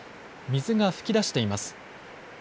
水が噴き出しています。